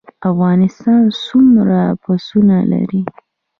افغانستان څومره پسونه لري؟